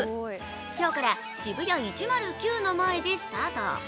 今日からＳＨＩＢＵＹＡ１０９の前でスタート。